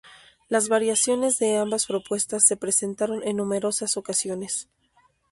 Las variaciones de ambas propuestas se presentaron en numerosas ocasiones.